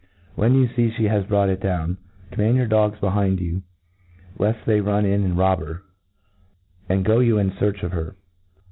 When you fee fhc has brought it down, command your dogs behind you, left they run in and rob her j and go you in fearch of hir.